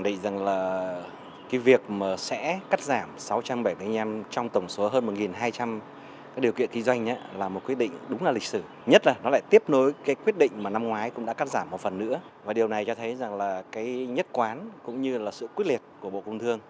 tôi nghĩ rằng là cái việc mà sẽ cắt giảm sáu trăm bảy mươi năm trong tổng số hơn một hai trăm linh các điều kiện kinh doanh là một quyết định đúng là lịch sử nhất là nó lại tiếp nối cái quyết định mà năm ngoái cũng đã cắt giảm một phần nữa và điều này cho thấy rằng là cái nhất quán cũng như là sự quyết liệt của bộ công thương